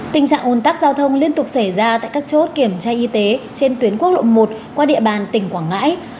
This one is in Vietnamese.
tình trạng ồn tắc giao thông liên tục xảy ra tại các chốt kiểm tra y tế trên tuyến quốc lộ một qua địa bàn tỉnh quảng ngãi